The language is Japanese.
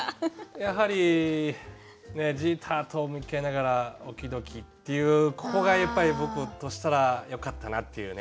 やはりね「Ｊｅｔｅｒと向き合いながらＯｋｅｙ‐Ｄｏｋｅｙ」っていうここがやっぱり僕としたらよかったなっていうね。